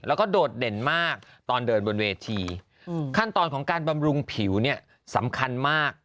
แล้วก็โดดเด่นมากตอนเดินบนเวทีขั้นตอนของการบำรุงผิวเนี่ยสำคัญมาก